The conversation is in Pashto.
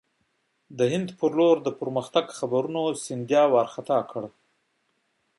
د هند پر لور د پرمختګ خبرونو سیندیا وارخطا کړ.